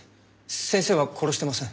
先生は殺してません。